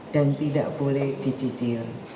dan tidak boleh dicicil